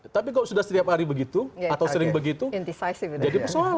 tapi kalau sudah setiap hari begitu atau sering begitu jadi persoalan